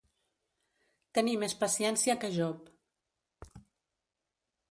Tenir més paciència que Job.